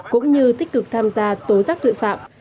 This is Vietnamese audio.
cũng như tích cực tham gia tố giác tội phạm